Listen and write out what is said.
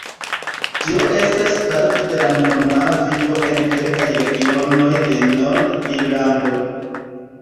Tio estas parto de la normala vivo en kelkaj regionoj de Nord-Irlando.